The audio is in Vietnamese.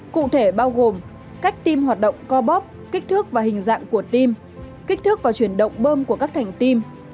cụ thể bao gồm cách tim hoạt động co bóp kích thước và hình dạng của tim kích thước và chuyển động bơm của các thành tim